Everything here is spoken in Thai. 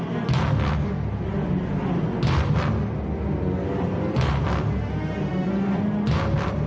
โอ้โหไม่ธรรมดา